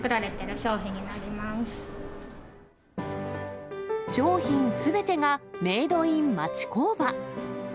商品すべてがメイドイン町工場。